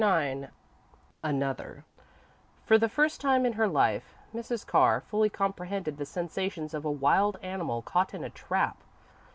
IX Another For the first time in her life, Mrs. Carr fully comprehended the sensations of a wild animal caught in a trap.